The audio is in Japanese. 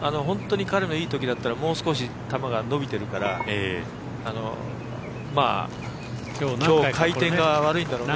本当に彼のいいときだったらもう少し、球が伸びてるからきょう、回転が悪いんだろうね。